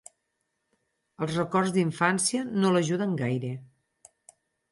Els records d'infància no l'ajuden gaire.